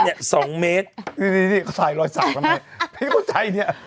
ไหนพี่เข้าใจเนี่ย